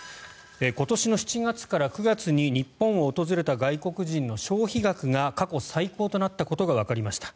今年の７月から９月に日本を訪れた外国人の消費額が過去最高となったことがわかりました。